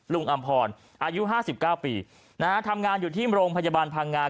ลุงอำพรอายุห้าสิบเก้าปีนะฮะทำงานอยู่ที่โรงพยาบาลพังงาน